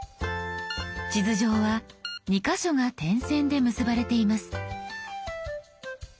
地図上は２か所が点線で結ばれています。